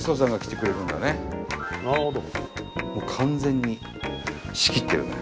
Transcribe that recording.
完全に仕切ってるね。